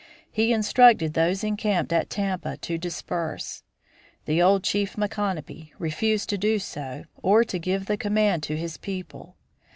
He instructed those encamped at Tampa to disperse. The old chief, Micanopy, refused to do so or to give the command to his people.